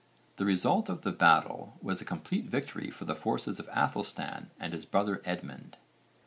The result of the battle was a complete victory for the forces of Aethelstan and his brother Edmund.